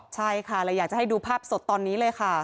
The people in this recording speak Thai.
ใช่ค่ะเลยอยากจะให้ดูภาพสดตอนนี้เลยค่ะ